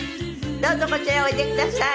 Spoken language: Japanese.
どうぞこちらへおいでください。